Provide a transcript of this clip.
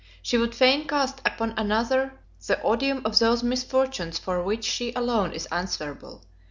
She would fain cast upon another the odium of those misfortunes for which she alone is answerable.